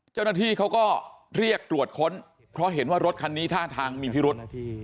เจ้าหน้าที่เขาก็เรียกตรวจค้นเพราะเห็นว่ารถคันนี้ท่าทางมีพิรุษ